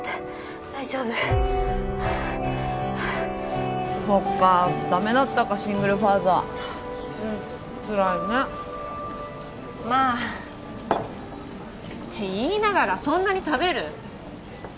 大丈夫ハアハアそっかダメだったかシングルファザーうんつらいねまあって言いながらそんなに食べる？